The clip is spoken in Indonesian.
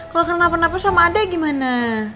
kalau kena apa apa sama adek gimana